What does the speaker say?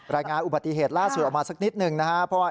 รายงานอุบัติเหตุล่าสุดออกมาสักนิดหนึ่งนะครับ